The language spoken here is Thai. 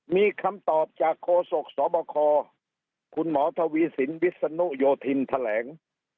มีคำตอบจากโคศกสบคคุณหมอทวีสินวิศนุโยธินแถลง